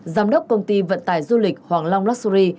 giám đốc công ty vận tài du lịch hoàng long luxury